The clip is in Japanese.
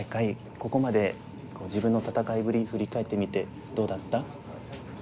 ここまで自分の戦いぶり振り返ってみてどうだった？